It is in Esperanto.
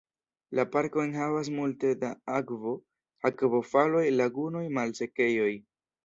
La parko enhavas multe da akvo: akvofaloj, lagunoj, malsekejoj.